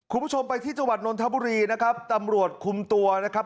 คุณผู้ชมไปที่จังหวัดนนทบุรีนะครับตำรวจคุมตัวนะครับ